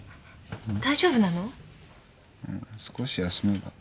少し休めば。